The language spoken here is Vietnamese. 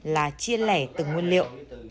là chia lẻ từng nguyên liệu